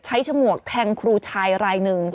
ใช้ฉมวกแทงครูชายรายนึง